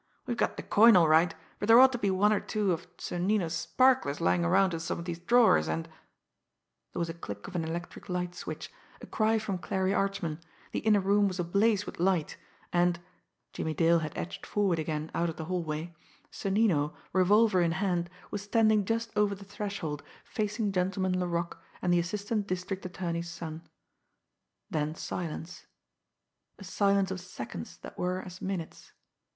We've got the coin all right, but there ought to be one or two of Sonnino's sparklers lying around in some of these drawers, and " There was a click of an electric light switch, a cry from Clarie Archman, the inner room was ablaze with light, and Jimmie Dale had edged forward again out of the hallway Sonnino, revolver in hand, was standing just over the threshold facing Gentleman Laroque and the assistant district attorney's son. Then silence a silence of seconds that were as minutes.